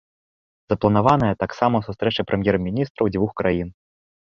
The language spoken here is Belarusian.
Запланаваная таксама сустрэча прэм'ер-міністраў дзвюх краін.